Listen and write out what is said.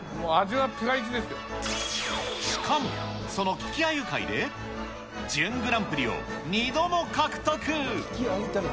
しかも、その利きあゆ会で、準グランプリを２度も獲得。